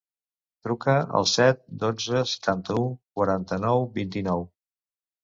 Truca al set, dotze, setanta-u, quaranta-nou, vint-i-nou.